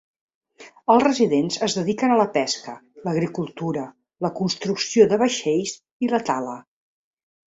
Els residents es dediquen a la pesca, l'agricultura, la construcció de vaixells i la tala.